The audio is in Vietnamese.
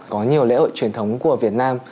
có nhiều lễ hội truyền thống của việt nam